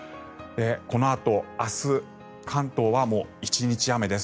このあと、明日関東は１日雨です。